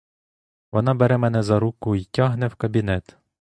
Вона бере мене за руку й тягне в кабінет.